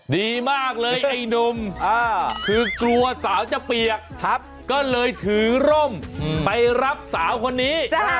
ดีมากเลยไอ้หนุ่มคือกลัวสาวจะเปียกครับก็เลยถือร่มไปรับสาวคนนี้